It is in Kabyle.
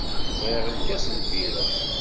Bɣiɣ lkas n lbirra.